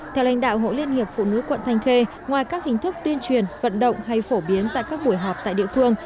theo lãnh đạo hội liên hiệp phụ nữ quận thanh khê ngoài các hình thức tuyên truyền vận động hay phổ biến tại các buổi họp tại địa phương